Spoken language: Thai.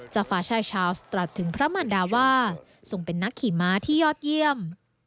ฟ้าชายชาวสตรัสถึงพระมันดาว่าทรงเป็นนักขี่ม้าที่ยอดเยี่ยม